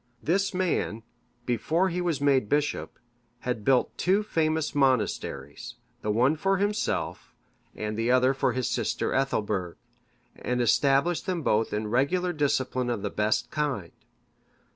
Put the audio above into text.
This man, before he was made bishop, had built two famous monasteries, the one for himself, and the other for his sister Ethelburg,(581) and established them both in regular discipline of the best kind.